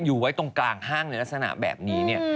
อยู่ไว้ตรงกลางห้างในลักษณะแบบนี้เนี่ย